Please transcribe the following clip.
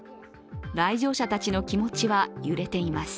来場者たちの気持ちは揺れています。